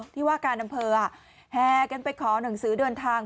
ที่ว่าการอำเภอแห่กันไปขอหนังสือเดินทาง